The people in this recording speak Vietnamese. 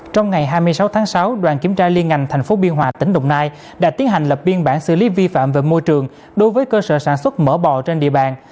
trong ngày hai mươi sáu tháng sáu đoàn kiểm tra liên ngành tp biên hòa tỉnh đồng nai đã tiến hành lập biên bản xử lý vi phạm về môi trường đối với cơ sở sản xuất mỡ bò trên địa bàn